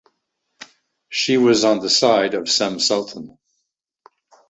She was on the side of Cem Sultan.